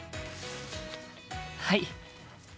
はい。